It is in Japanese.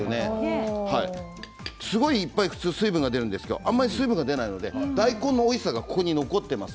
普通はいっぱい水分が出るんですが、あまり水分が出ないので大根のおいしさがここに残ってます。